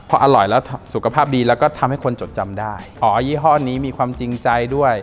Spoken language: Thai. พออร่อยแล้วสุขภาพดีแล้วก็ทำให้คนจดจำได้อ๋อยี่ห้อนี้มีความจริงใจด้วย